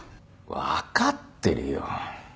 分かってるよ。